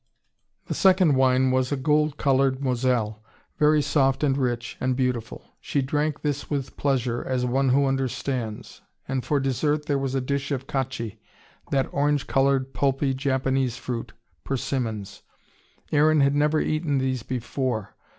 The second wine was a gold coloured Moselle, very soft and rich and beautiful. She drank this with pleasure, as one who understands. And for dessert there was a dish of cacchi that orange coloured, pulpy Japanese fruit persimmons. Aaron had never eaten these before.